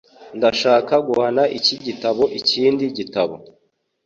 Ndashaka guhana iki gitabo ikindi gitabo